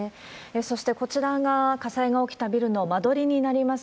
そしてこちらが、火災が起きたビルの間取りになります。